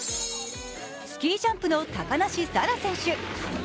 スキージャンプの高梨沙羅選手。